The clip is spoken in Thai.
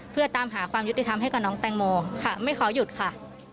เพื่อตามหาความยุติธรรมให้กับน้องแตงโมค่ะไม่ขอหยุดค่ะ